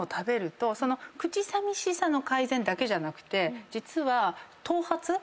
口さみしさの改善だけじゃなくて実は頭髪。